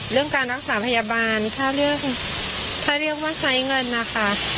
เรื่องการรักษาพยาบาลถ้าเรียกว่าใช้เงินมาค่ะ